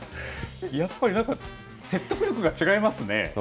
やっぱり説得力が違いますね。